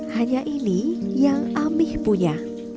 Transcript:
hanya ini yang amih punya